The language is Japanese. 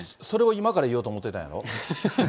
それを今から言おうと思ってたんやろう？